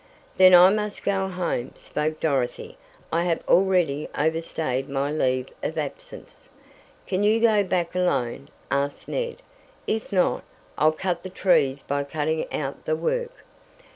"Then I must go home," spoke Dorothy. "I have already overstayed my leave of absence." "Can you go back alone?" asked Ned. "If not, I'll cut the trees by cutting out the work.